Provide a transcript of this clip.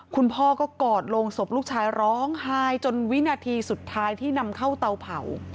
คุณพ่อก็กอดลงศพลูกชายร้องไห้จนวินาทีสุดท้ายที่นำเข้าเตาเผา